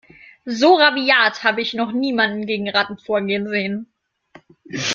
So rabiat habe ich noch niemanden gegen Ratten vorgehen sehen.